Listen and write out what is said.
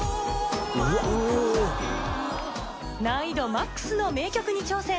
難易度マックスの名曲に挑戦。